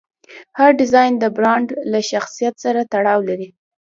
هر ډیزاین د برانډ له شخصیت سره تړاو لري.